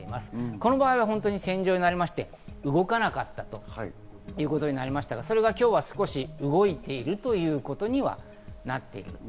この場合は線状になりまして動かなかったということになりましたが、今日は少し動いているということにはなっています。